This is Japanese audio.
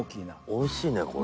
美味しいねこれ。